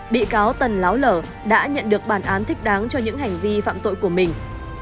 bị cáo tần láo lở đã nhận được bản án thích đáng cho những hành vi phạm tội của mình